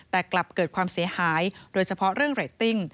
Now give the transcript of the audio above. แต่กลับเกิดความเสียหายโดยเฉพาะเรื่องเรตติ้ง